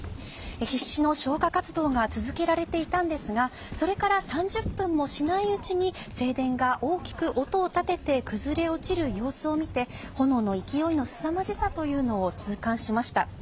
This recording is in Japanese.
必死の消火活動が続けられていたんですがそれから３０分もしないうちに正殿が大きく音を立てて崩れ落ちる様子を見て炎の勢いのすさまじさを痛感しました。